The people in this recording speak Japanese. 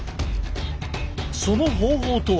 その方法とは。